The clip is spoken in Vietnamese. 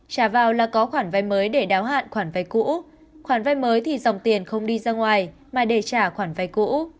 trả vào là có khoản vay mới để đáo hạn khoản vay cũ khoản vay mới thì dòng tiền không đi ra ngoài mà để trả khoản vay cũ